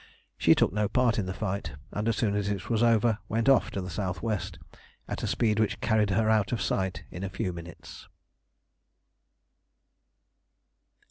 She took no part in the fight, and as soon as it was over went off to the south west at a speed which carried her out of sight in a few minutes.